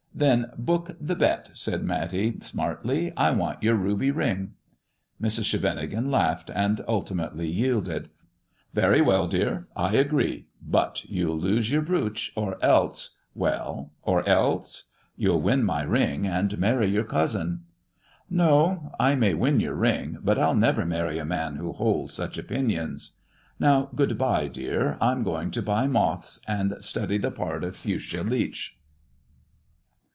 " Then book the bet," said Matty smartly. " I want your ruby ring." Mrs. Scheveningen laughed, and ultimately yielded. " Yery well, dear, I agree. But you'll lose your brooch, or else "" Well, or else 1 "" You'll win my ring, and marry your cousin." " No. I may win your ring, but I'll never marry a man who holds such opinions. Now, good bye, dear ; I'm going to buy Moths, and study the part of Fuschia Leach."